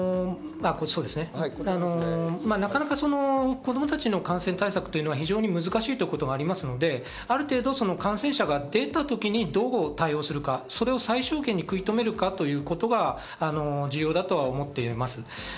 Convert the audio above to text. なかなか子供たちの感染対策というのは難しいということがありますので、ある程度、感染者が出た時にどう対応するか、それを最小限に食い止めるかということが重要だと思っています。